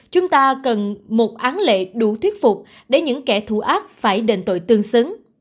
chúng ta cần một án lệ đủ thuyết phục để những kẻ thù ác phải đền tội tương xứng